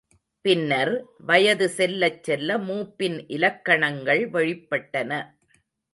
பின்னர், வயது செல்லச் செல்ல மூப்பின் இலக்கணங்கள் வெளிப்பட்டன.